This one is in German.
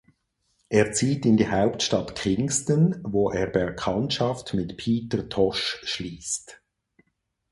Er zieht in die Hauptstadt Kingston, wo er Bekanntschaft mit Peter Tosh schließt.